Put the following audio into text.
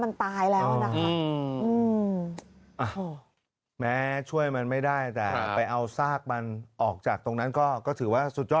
มันตายแล้วนะคะแม้ช่วยมันไม่ได้แต่ไปเอาซากมันออกจากตรงนั้นก็ถือว่าสุดยอด